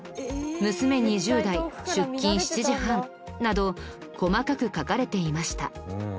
娘２０代出勤７時半など細かく書かれていました。